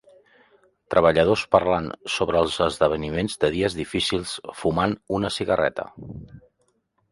Treballadors parlant sobre els esdeveniments de dies difícils fumant una cigarreta.